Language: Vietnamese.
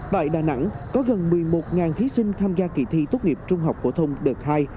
tại đà nẵng có gần một mươi một thí sinh tham gia kỳ thi tốt nghiệp trung học phổ thông đợt hai